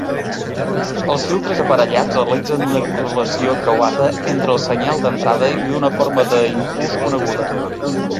Els filtres aparellats realitzen una correlació creuada entre el senyal d'entrada i una forma de impuls coneguda.